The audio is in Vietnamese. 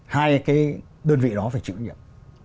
hai cái đơn vị đó phải chịu nhiệm